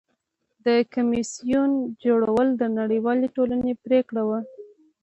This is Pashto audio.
د کمیسیون جوړول د نړیوالې ټولنې پریکړه وه.